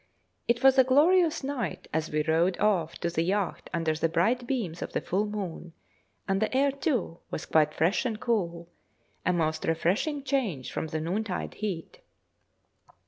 It was a glorious night as we rowed off to the yacht under the bright beams of the full moon, and the air, too, was quite fresh and cool a most refreshing change from the noontide heat.